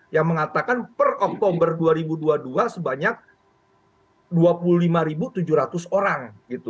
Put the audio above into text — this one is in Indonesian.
yang mengatakan per oktober dua ribu dua puluh dua sebanyak dua puluh lima tujuh ratus orang